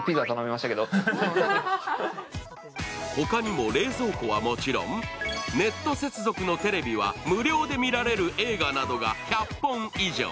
他にも冷蔵庫はもちろん、ネット接続のテレビは無料で見られる映画などが１００本以上。